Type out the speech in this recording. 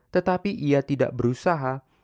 tetapi ia tidak berusaha